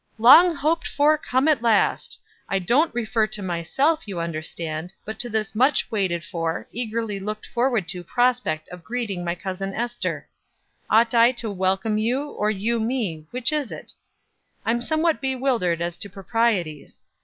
"Long hoped for come at last! I don't refer to myself, you understand, but to this much waited for, eagerly looked forward to prospect of greeting my Cousin Ester. Ought I to welcome you, or you me which is it? I'm somewhat bewildered as to proprieties.